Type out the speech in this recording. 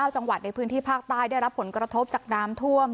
๙จังหวัดในพื้นที่ภาคใต้ได้รับผลกระทบจากน้ำท่วม